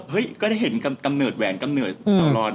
ก็ได้เห็นกำเนิดแหวนกำเนิดร้อน